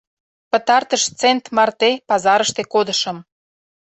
Пытартыш цент марте пазарыште кодышым.